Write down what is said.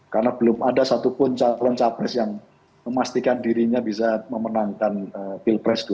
karena belum ada satupun calon capres yang memastikan dirinya bisa memenangkan pil pres dua ribu dua puluh empat